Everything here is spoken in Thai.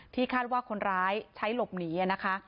คาดว่าคนร้ายใช้หลบหนีนะคะ